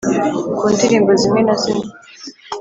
ku ndirimbo zimwe na zimwe